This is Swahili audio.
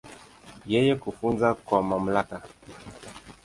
Yeye kufuzu kwa mamlaka.